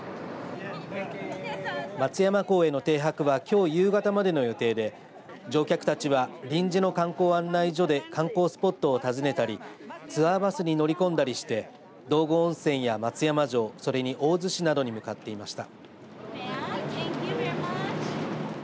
松山港への停泊はきょう夕方までの予定で乗客たちは、臨時の観光案内所で観光スポットを訪ねたりツアーバスに乗り込んだりして道後温泉や松山城それに大洲市などに向かっていました。